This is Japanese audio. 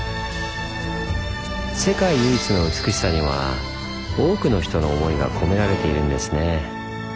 世界唯一の美しさには多くの人の思いが込められているんですねぇ。